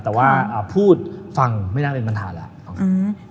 แต่ว่าพูดฟังไม่น่าเป็นปัญหาแล้ว